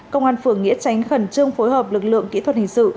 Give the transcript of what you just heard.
công an phường nghĩa tránh khẩn trương phối hợp lực lượng kỹ thuật hình sự